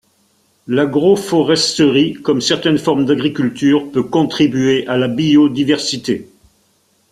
L'agroforesterie, comme certaines formes d'agriculture peut contribuer à la biodiversité.